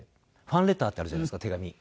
ファンレターってあるじゃないですか手紙。